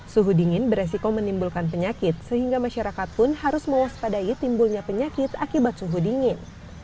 suhu dingin beresiko menimbulkan penyakit sehingga masyarakat pun harus mewaspadai timbulnya penyakit akibat suhu dingin